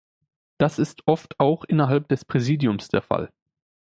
Das ist oft auch innerhalb des Präsidiums der Fall.